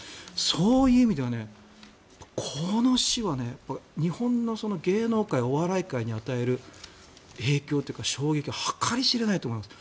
そういう意味ではこの死は日本の芸能界、お笑い界に与える影響というか衝撃は計り知れないと思います。